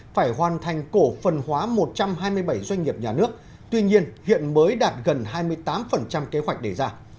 phải hoàn thành cổ phần hóa một trăm hai mươi bảy doanh nghiệp nhà nước tuy nhiên hiện mới đạt gần hai mươi tám kế hoạch đề ra